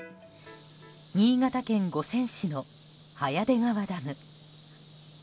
新潟県五泉市の早出川ダム。